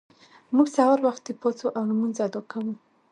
موږ سهار وختي پاڅو او لمونځ ادا کوو